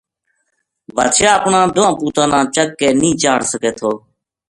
بادشاہ اپناں دواں پوتاں نا چک کے نیہہ چاڑ سکے تھو